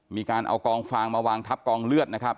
มีการเอากองฟางมาวางทับกองเลือดนะครับ